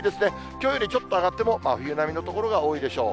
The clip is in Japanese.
きょうよりちょっと上がっても、真冬並みの所が多いでしょう。